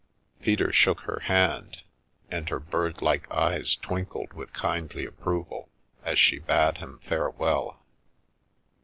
Peter shook her hand, and her bird like eyes twinkled with kindly approval as she bade him farewell.